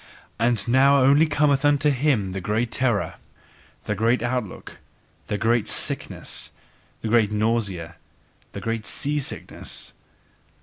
And now only cometh unto him the great terror, the great outlook, the great sickness, the great nausea, the great sea sickness.